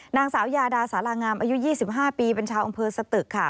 นางสาวยาดาสารางามอายุ๒๕ปีเป็นชาวอำเภอสตึกค่ะ